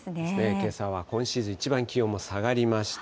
けさは今シーズン一番気温も下がりました。